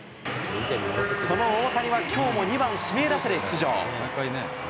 その大谷は、きょうも２番指名打者で出場。